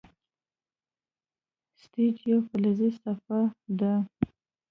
سټیج یوه فلزي صفحه ده.